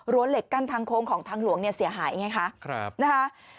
เหล็กกั้นทางโค้งของทางหลวงเนี่ยเสียหายไงคะนะคะ